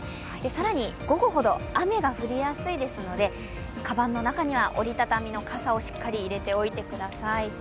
更に午後ほど雨が降りやすいですので、かばんの中には折り畳みの傘をしっかり入れておいてください。